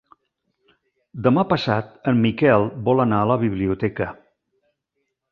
Demà passat en Miquel vol anar a la biblioteca.